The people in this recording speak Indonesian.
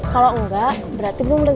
kalau enggak berarti belum